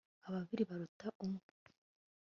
ababiri baruta umwe